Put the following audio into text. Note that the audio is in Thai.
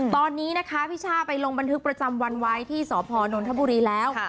ตอนนี้นะคะพี่ช่าไปลงบันทึกประจำวันไว้ที่สพนนทบุรีแล้ว